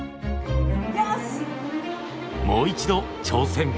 もう一度挑戦！